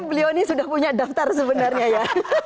beliau ini sudah punya daftar sebenarnya ya